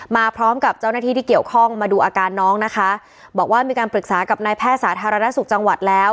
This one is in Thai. มาพร้อมกับเจ้าหน้าที่ที่เกี่ยวข้องมาดูอาการน้องนะคะบอกว่ามีการปรึกษากับนายแพทย์สาธารณสุขจังหวัดแล้ว